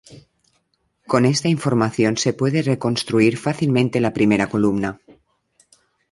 Con esta información, se puede reconstruir fácilmente la primera columna.